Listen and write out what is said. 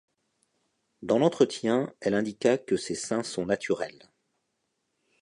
Dans l'entretien, elle indiqua que ses seins sont naturels.